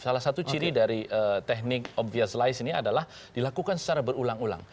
salah satu ciri dari teknik obvious lies ini adalah dilakukan secara berulang ulang